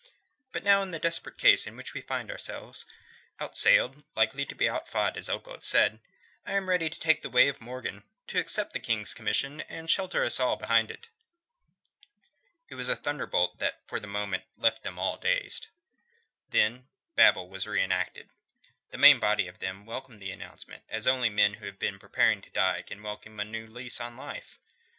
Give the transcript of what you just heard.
But now in the desperate case in which we find ourselves outsailed, and likely to be outfought, as Ogle has said I am ready to take the way of Morgan: to accept the King's commission and shelter us all behind it." It was a thunderbolt that for a moment left them all dazed. Then Babel was reenacted. The main body of them welcomed the announcement as only men who have been preparing to die can welcome a new lease of life.